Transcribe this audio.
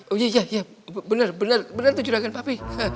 iya iya iya bener bener bener tuh juragan papi